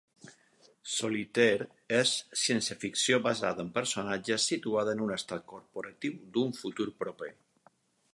"Solitaire" és ciència-ficció basada en personatges situada en un estat corporatiu d'un futur proper.